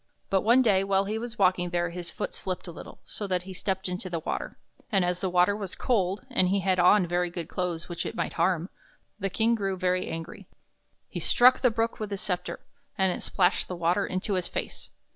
But one day, while he was walking there, his foot slipped a little, so that he stepped into the water; and as the water was cold, and he had on very good clothes which it might harm, the King grew very 36 THE BROOK IN THE KING'S GARDEN angry. He struck the Brook with his scepter, and it splashed the water into his face.